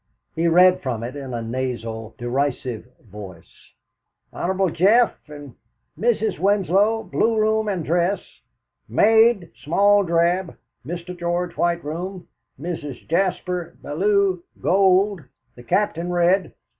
He read from it in a nasal, derisive voice: "Hon. Geoff, and Mrs. Winlow, blue room and dress; maid, small drab. Mr. George, white room. Mrs. Jaspar Bellew, gold. The Captain, red.